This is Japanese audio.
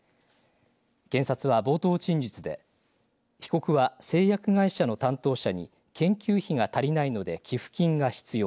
検察は冒頭陳述で、被告は製薬会社の担当者に研究費が足りないので寄付金が必要。